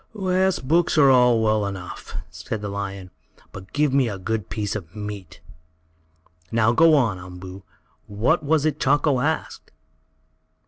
"Yes, books are all well enough," said the lion, "but give me a good piece of meat. Now go on, Umboo. What was it Chako asked?"